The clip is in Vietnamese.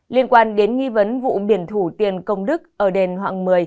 liên quan đến nghi vấn vụ biển thủ tiền công đức ở đền hoàng một mươi